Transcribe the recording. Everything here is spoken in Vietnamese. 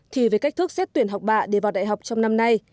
thì về cách thức xét tuyển học bạ để vào đại học trong năm nay